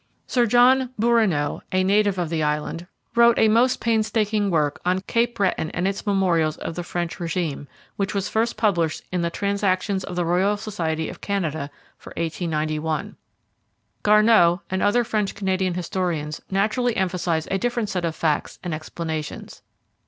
Sir John Bourinot, a native of the island, wrote a most painstaking work on 'Cape Breton and its Memorials of the French Regime' which was first published in the 'Transactions of the Royal Society of Canada' for 1891. Garneau and other French Canadian historians naturally emphasize a different set of facts and explanations.